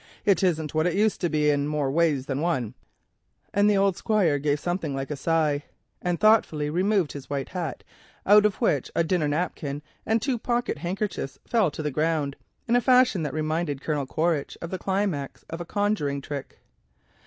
It isn't what it used to be in more ways than one," and the old Squire gave something like a sigh, and thoughtfully removed his white hat, out of which a dinner napkin and two pocket handkerchiefs fell to the ground, in a fashion that reminded Colonel Quaritch of the climax of a conjuring trick.